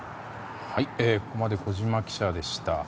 ここまで小島記者でした。